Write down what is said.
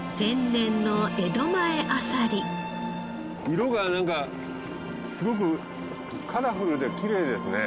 色がなんかすごくカラフルできれいですね。